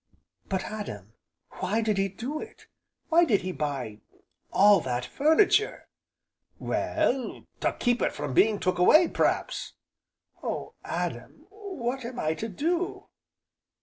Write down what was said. "But, Adam, why did he do it! Why did he buy all that furniture?" "Well, to keep it from being took away, p'raps!" "Oh, Adam! what am I to do?"